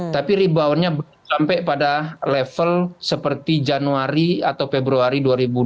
tapi reboundnya sampai pada level seperti januari atau februari dua ribu dua puluh